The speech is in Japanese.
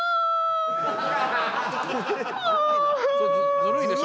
ずるいでしょ。